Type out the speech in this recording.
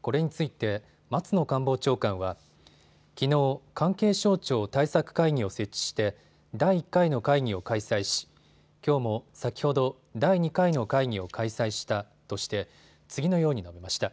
これについて松野官房長官はきのう、関係省庁対策会議を設置して第１回の会議を開催しきょうも先ほど第２回の会議を開催したとして次のように述べました。